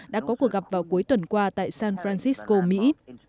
đã có cuộc gặp vào cuối tuần qua tại san francisco mỹ